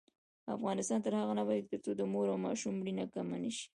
افغانستان تر هغو نه ابادیږي، ترڅو د مور او ماشوم مړینه کمه نشي.